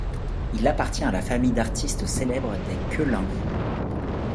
Il appartient à la famille d'artistes célèbre des Quellin.